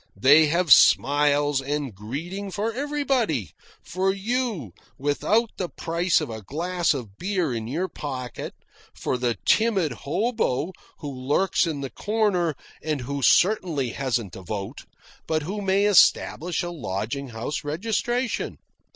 They have smiles and greetings for everybody for you, without the price of a glass of beer in your pocket, for the timid hobo who lurks in the corner and who certainly hasn't a vote, but who may establish a lodging house registration.